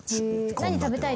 「何食べたいの？」